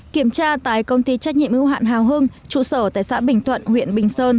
kiểm tra tại công ty trách nhiệm ưu hạn hào hưng trụ sở tại xã bình thuận huyện bình sơn